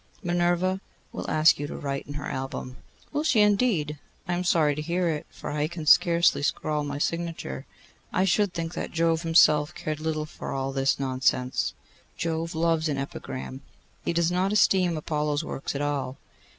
'Minerva will ask you to write in her album.' 'Will she indeed! I am sorry to hear it, for I can scarcely scrawl my signature. I should think that Jove himself cared little for all this nonsense.' 'Jove loves an epigram. He does not esteem Apollo's works at all.